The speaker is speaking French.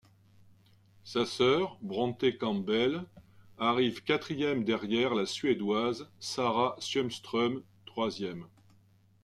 Sa sœur Bronte Campbell arrive quatrième derrière la suédoise Sarah Sjöström, troisième.